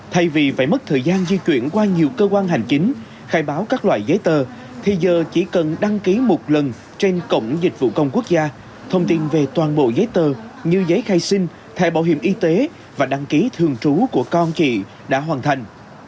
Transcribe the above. thay vì phải mất thời gian di chuyển qua nhiều cơ quan hành chính khai báo các loại giấy tờ thì giờ chỉ cần đăng ký một lần trên cổng dịch vụ công quốc gia thông tin về toàn bộ giấy tờ như giấy khai sinh thẻ bảo hiểm y tế và đăng ký thường trú của con chị đã hoàn thành